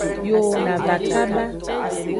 Yo na va kaba.